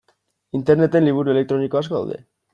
Interneten liburu elektroniko asko daude.